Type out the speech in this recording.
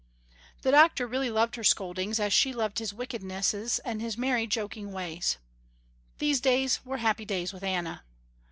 The doctor really loved her scoldings as she loved his wickednesses and his merry joking ways. These days were happy days with Anna.